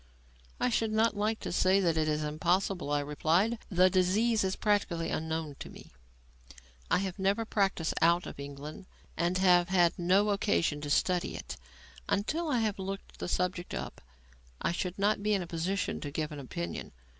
"I should not like to say that it is impossible," I replied. "The disease is practically unknown to me. I have never practised out of England and have had no occasion to study it. Until I have looked the subject up, I should not be in a position to give an opinion.